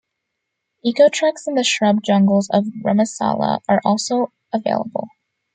Eco treks in the shrub jungles of Rumassala are also available.